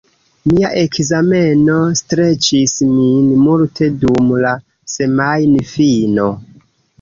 Mia ekzameno streĉis min multe dum la semajnfino.